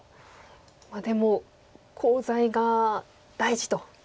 まあでもコウ材が大事と。